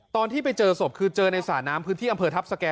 ตอนที่ไปเจอศพคือเจอในสระน้ำพื้นที่อำเภอทัพสแก่